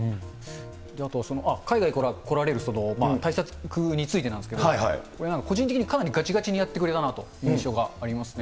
あと海外から来られる対策についてなんですけど、これ、個人的に、がちがちにやってくれたなという印象がありますね。